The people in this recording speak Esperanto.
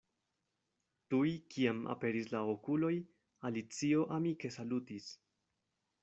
Tuj kiam aperis la okuloj, Alicio amike salutis.